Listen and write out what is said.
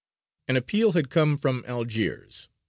An appeal had come from Algiers.